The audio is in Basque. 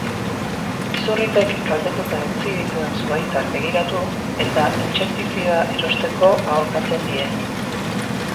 Izurritek kaltetuta utzi dituen zuhaitzak begiratu, eta intsektizida erosteko aholkatzen die.